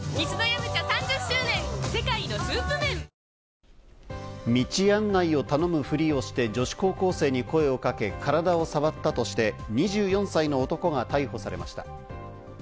正しくは立憲民道案内を頼むふりをして女子高校生に声をかけ、体を触ったとして、２４歳の男が逮捕されました。